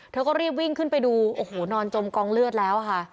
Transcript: เธอก็รีบวิ่งขึ้นไปดูโอ้โหนอนจมกองเลือดแล้วค่ะ